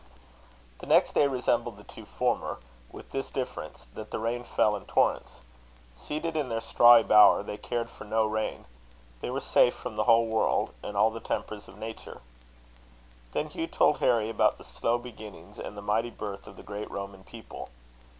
The next day resembled the two former; with this difference, that the rain fell in torrents. Seated in their strawy bower, they cared for no rain. They were safe from the whole world, and all the tempers of nature. Then Hugh told Harry about the slow beginnings and the mighty birth of the great Roman people.